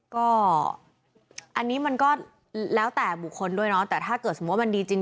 ก็อันนี้มันก็แล้วแต่บุคคลด้วยเนาะแต่ถ้าเกิดสมมุติว่ามันดีจริง